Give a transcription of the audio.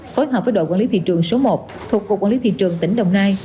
phối hợp với đội quản lý thị trường số một thuộc cục quản lý thị trường tỉnh đồng nai